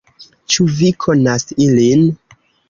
Ĉu vi konas ilin?